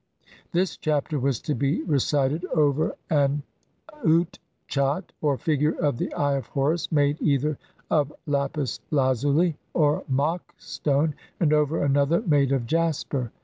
This Chapter was to be recited over an utchat, or figure of the Eye of Horus, made either of lapis lazuli or Mak stone, and over another made of jasper.